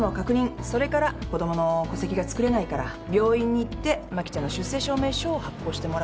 それから子供の戸籍が作れないから病院に行って真希ちゃんの出生証明書を発行してもらうと。